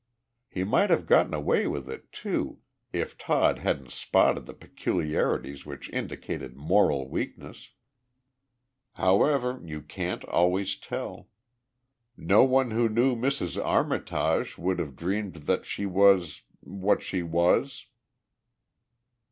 "He might have gotten away with it, too, if Todd hadn't spotted the peculiarities which indicated moral weakness. However, you can't always tell. No one who knew Mrs. Armitage would have dreamed that she was what she was."